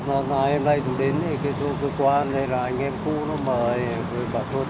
thật ra thì chú nói thật là ngày hôm nay chúng đến thì cái số cơ quan này là anh em khu nó mời rồi bà cô tao kể là cốc rồi không uống